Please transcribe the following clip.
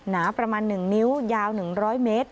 หนาประมาณ๑นิ้วยาว๑๐๐เมตร